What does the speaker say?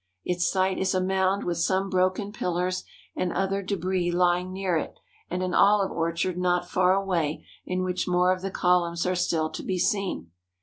Its site is a mound with some broken pillars and other debris lying near it and an olive orchard not far away in which more of the columns are still to be seen.